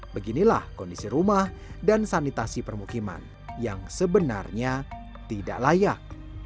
beginilah kondisi rumah dan sanitasi permukiman yang sebenarnya tidak layak